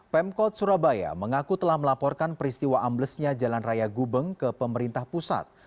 pemkot surabaya mengaku telah melaporkan peristiwa amblesnya jalan raya gubeng ke pemerintah pusat